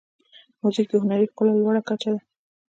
موزیک د هنري ښکلا لوړه کچه ده.